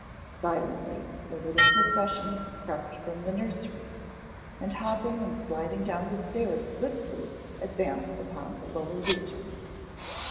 Silently the little procession crept from the nursery and hopping and sliding down the stairs swiftly advanced upon the lower regions.